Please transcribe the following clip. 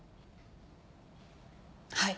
はい。